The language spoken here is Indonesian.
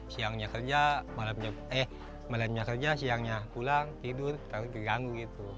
siangnya kerja malamnya kerja siangnya pulang tidur terlalu mengganggu